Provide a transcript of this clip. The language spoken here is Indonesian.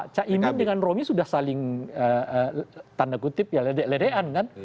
caimin dengan romi sudah saling tanda kutip ya ledek ledean kan